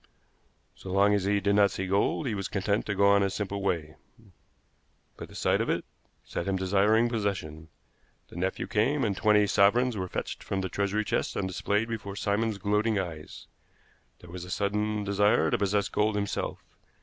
So long as he did not see gold he was content to go on his simple way, but the sight of it set him desiring possession. The nephew came, and twenty sovereigns were fetched from the treasury chest and displayed before Simon's gloating eyes. There was a sudden desire to possess gold himself.